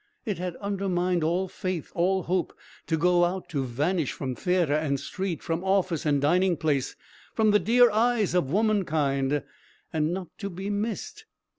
It had undermined all faith all hope. To go out, to vanish from theatre and street, from office and dining place, from the dear eyes of womankind. And not to be missed!